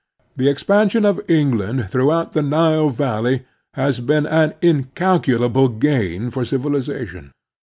The expansion of Eng land throughout the Nile valley has been an incalculable gain for civilization.